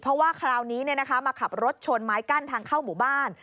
เพราะว่าคราวนี้มาขับรถชนไม้กั้นทางเข้าหมู่บ้าน